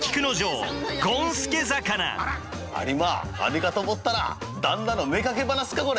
「あれまあ何かと思ったら旦那のめかけ話かこれ。